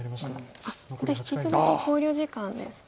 ここで引き続き考慮時間ですね。